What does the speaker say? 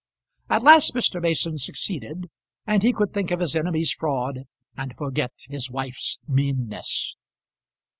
At last Mr. Mason succeeded, and he could think of his enemy's fraud and forget his wife's meanness.